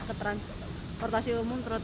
ke transportasi umum tersebut